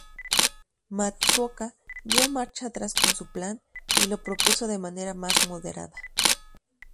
Matsuoka dio marcha atrás con su plan, y lo propuso de manera más moderada.